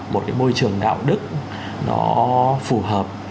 một cái môi trường đạo đức nó phù hợp